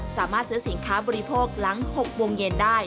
สามารถซื้อสินค้าบริโภคหลัง๖โมงเย็นได้